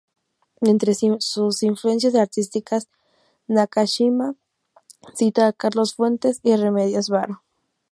Entre sus influencias artísticas, Nakashima cita a Carlos Fuentes y Remedios Varo.